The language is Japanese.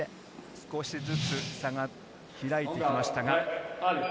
少しずつ差が開いていきましたが。